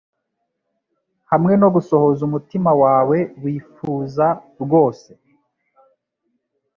hamwe no gusohoza umutima wawe wifuza rwose